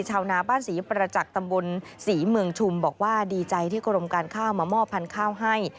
ชาวนาบ้านศรีประจักษ์ตำบลศรีเมืองชุมบอกว่าดีใจที่กรมการข้าวมามอบพันธุ์ข้าวให้